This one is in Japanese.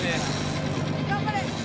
頑張れ！